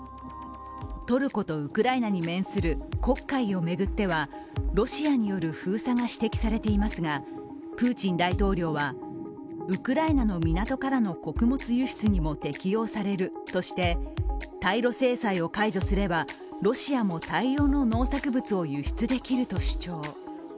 トルコとウクライナに面する黒海を巡ってはロシアによる封鎖が指摘されていますが、プーチン大統領はウクライナの港からの穀物輸出にも適用されるとして対ロ制裁を解除すればロシアも大量の農作物を輸出できると主張。